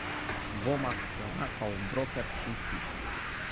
Vom acționa ca un "broker cinstit”.